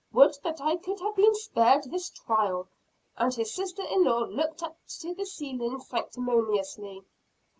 Would that I could have been spared this trial!" and his sister in law looked up to the ceiling sanctimoniously.